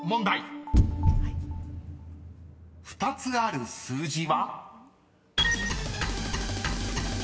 ［２つある数字は？］